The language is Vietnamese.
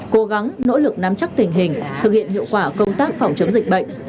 cố gắng nỗ lực nắm chắc tình hình thực hiện hiệu quả công tác phòng chống dịch bệnh